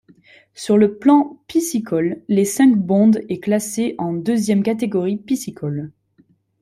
Sur le plan piscicole, les Cinq Bondes est classé en deuxième catégorie piscicole.